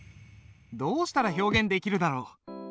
どうしたら表現できるだろう。